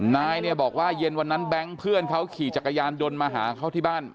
นายเนี่ยบอกว่าเย็นวันนั้นแบงค์เพื่อนเขาขี่จักรยานยนต์มาหาเขาที่บ้าน